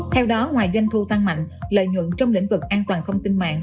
theo đó ngoài doanh thu tăng mạnh lợi nhuận trong lĩnh vực an toàn thông tin mạng